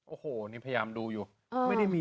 โอ้โหนี่พยายามดูอยู่